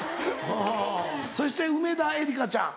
そして梅田えりかちゃん。